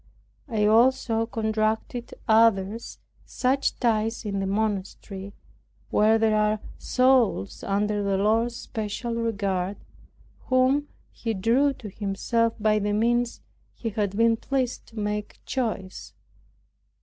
I also contracted other such ties in this monastery, where there are souls under the Lord's special regard, whom He drew to Himself by the means He had been pleased to make choice.